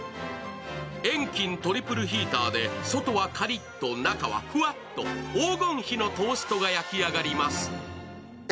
遠近トリプルヒーターで、外はカリッと中はふわっと、黄金比のトーストが焼き上がります。